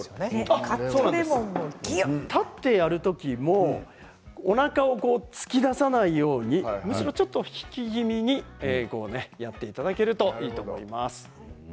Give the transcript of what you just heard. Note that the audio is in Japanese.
立ってやる時もおなかを突き出さないようにむしろちょっと引き気味でやっていただけるといいと思います。